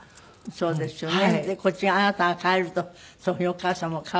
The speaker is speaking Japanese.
そうですよね。